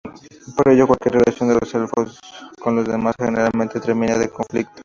Por ello, cualquier relación de los elfos con los demás generalmente termina en conflicto.